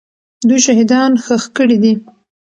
دوی شهیدان ښخ کړي دي.